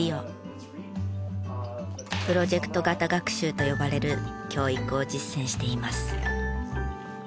「プロジェクト型学習」と呼ばれる教育を実践しています。